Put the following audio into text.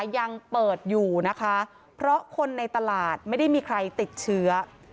ยังเปิดอยู่นะคะเพราะคนในตลาดไม่ได้มีใครติดเชื้อ